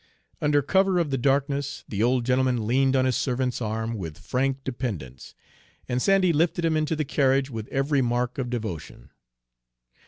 Under cover of the darkness the old gentleman leaned on his servant's arm with frank dependence, and Sandy lifted him into the carriage with every mark of devotion.